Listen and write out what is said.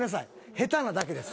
下手なだけです。